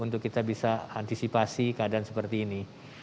untuk kita bisa antisipasi keadaan seperti ini